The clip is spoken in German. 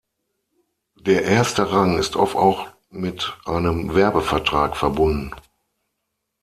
Der erste Rang ist oft auch mit einem Werbevertrag verbunden.